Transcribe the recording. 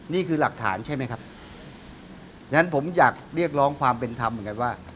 นี่คือหลักฐานใช่ไหมครับงั้นผมอยากเรียกร้องความเป็นธรรมเหมือนกันว่า